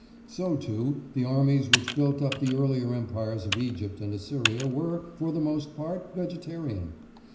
So, too, the armies which built up the earlier empires of Egypt and Assyria were, for the most part, vegetarian.